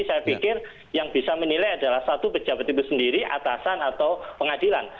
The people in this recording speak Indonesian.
saya pikir yang bisa menilai adalah satu pejabat itu sendiri atasan atau pengadilan